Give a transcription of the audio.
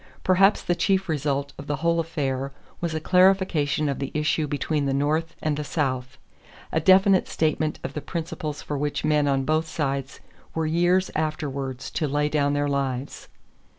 Perhaps the chief result of the whole affair was a clarification of the issue between the North and the South a definite statement of the principles for which men on both sides were years afterward to lay down their lives.